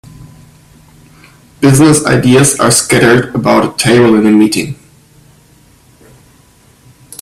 Business ideas are scattered about a table in a meeting.